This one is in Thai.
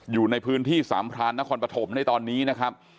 อยู่ในพื้นที่สามพรานนครปฐมในตอนนี้นะครับ